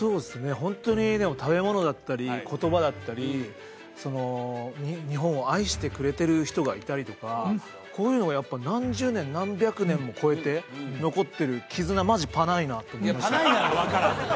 ホントにでも食べ物だったり言葉だったり日本を愛してくれてる人がいたりとかこういうのがやっぱ何十年何百年も超えて残ってる絆いや「パないな」が分からん